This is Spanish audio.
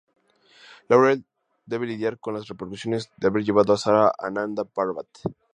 Laurel debe lidiar con las repercusiones de haber llevado a Sara a Nanda Parbat.